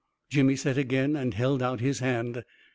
" Jimmy said again, and held out his hand.